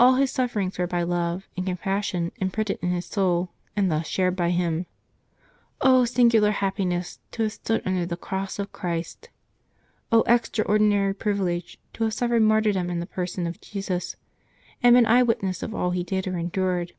All his sufferings were by love and compassion imprinted in his soul, and thus shared by him. singular happiness, to have stood under the cross of Christ ! extraordinary privilege, to have suffered martyrdom in the person of Jesus, and been eye witness of all He did or endured